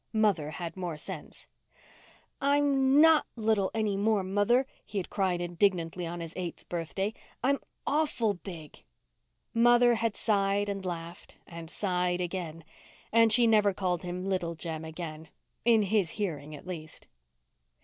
Mother had more sense. "I'm not little any more, Mother," he had cried indignantly, on his eighth birthday. "I'm awful big." Mother had sighed and laughed and sighed again; and she never called him Little Jem again—in his hearing at least.